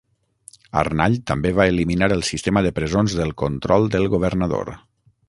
Arnall també va eliminar el sistema de presons del control del governador.